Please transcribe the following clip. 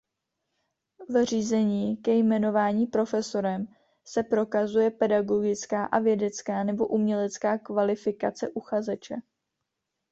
V řízení ke jmenování profesorem se prokazuje pedagogická a vědecká nebo umělecká kvalifikace uchazeče.